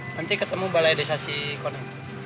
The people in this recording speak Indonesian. nanti ketemu balai desa sikone